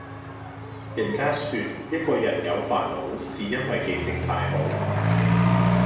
人家說一個人有煩惱是因為記性太好